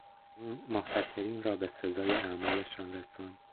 قانون، محتکرین را به سزای اعمالشان رساند